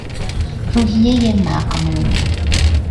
روحیهی مغموم